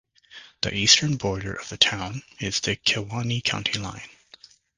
The eastern border of the town is the Kewaunee County line.